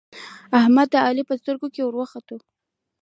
احمد د علی په سترګو کې ور وخوت